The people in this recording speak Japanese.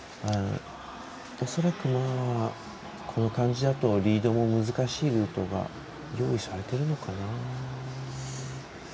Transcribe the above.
恐らく、この感じだとリードも難しいルートが用意されているのかな。